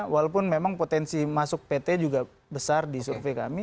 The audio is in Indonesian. walaupun memang potensi masuk pt juga besar di survei kami